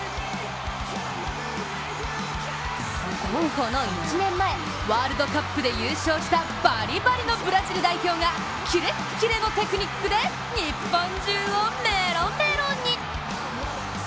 この１年前、ワールドカップで優勝したバリバリのブラジル代表がキレッキレのテクニックで日本中をメロメロに。